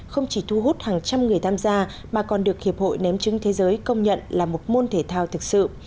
không chỉ thu hút hàng trăm người tham gia mà còn được hiệp hội ném chứng thế giới công nhận là một môn thể thao thực sự